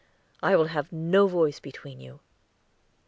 I will have no voice between you."